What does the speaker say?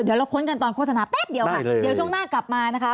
เดี๋ยวเราค้นกันตอนโฆษณาแป๊บเดียวค่ะเดี๋ยวช่วงหน้ากลับมานะคะ